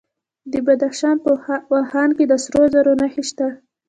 د بدخشان په واخان کې د سرو زرو نښې شته.